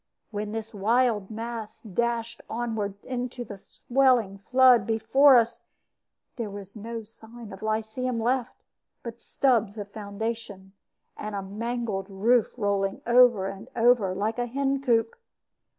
When this wild mass dashed onward into the swelling flood before us, there was no sign of Lyceum left, but stubs of foundation, and a mangled roof rolling over and over, like a hen coop.